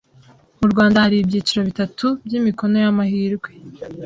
Mu Rwanda hari ibyiciro bitatu by’Imikinoy’amahirwe